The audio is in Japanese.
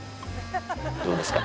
どうですか？